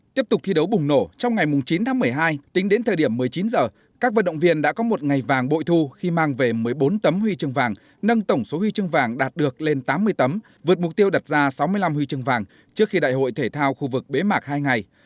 tiếp tục thi đấu bùng nổ trong ngày chín tháng một mươi hai tính đến thời điểm một mươi chín h các vận động viên đã có một ngày vàng bội thu khi mang về một mươi bốn tấm huy chương vàng nâng tổng số huy chương vàng đạt được lên tám mươi tấm vượt mục tiêu đặt ra sáu mươi năm huy chương vàng trước khi đại hội thể thao khu vực bế mạc hai ngày